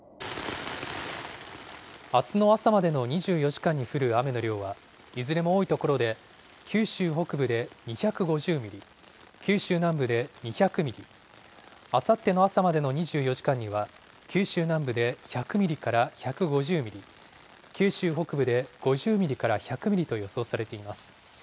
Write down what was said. あすの朝までの２４時間に降る雨の量は、いずれも多い所で、九州北部で２５０ミリ、九州南部で２００ミリ、あさっての朝までの２４時間には、九州南部で１００ミリから１５０ミリ、九州北部で５０ミリから１００ミリと予想されています。